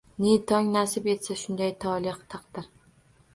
Ne tong, nasib etsa shunday tole taqdir…